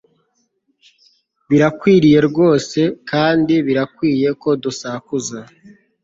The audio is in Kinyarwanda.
Birakwiriye rwose kandi birakwiye ko dusakuza